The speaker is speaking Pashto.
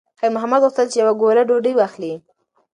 خیر محمد غوښتل چې یوه ګوله ډوډۍ واخلي.